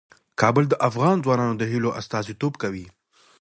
کابل د افغان ځوانانو د هیلو استازیتوب کوي.